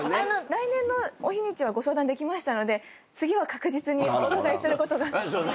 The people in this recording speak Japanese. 来年のお日にちはご相談できましたので次は確実にお伺いすることが。